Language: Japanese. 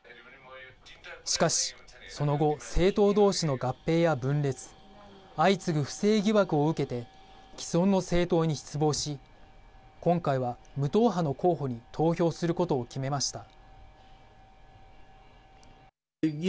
しかしその後政党同士の合併や分裂相次ぐ不正疑惑を受けて既存の政党に失望し今回は無党派の候補に投票することを決めました。